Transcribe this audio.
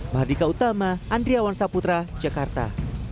mahadika utama andri awan saputra jakarta